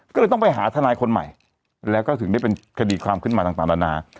ก็เลยต้องไปหาทนายคนใหม่แล้วก็ถึงได้เป็นคดีความขึ้นมาต่างนานา